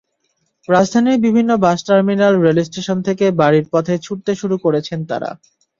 রাজধানীর বিভিন্ন bus terminal, rail station থেকে বাড়ির পথে ছুটতে শুরু করেছেন তাঁরা।